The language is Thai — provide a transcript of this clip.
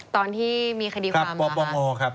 ตอนที่มีคดีของคุณของคุณเขามาครับ